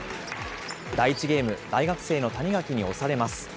第１ゲーム、大学生の谷垣に押されます。